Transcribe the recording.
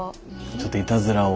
ちょっといたずらを。